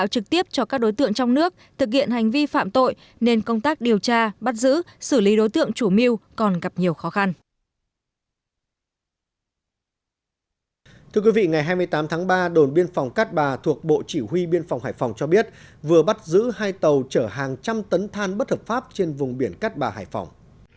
thưa quý vị ngày hai mươi tám tháng ba đồn biên phòng cát bà thuộc bộ chỉ huy biên phòng hải phòng cho biết vừa bắt giữ hai tàu chở hàng trăm tấn than bất hợp pháp trên vùng biển cát bà hải phòng